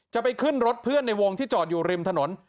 ไปขึ้นรถเพื่อนในวงที่จอดอยู่ริมถนน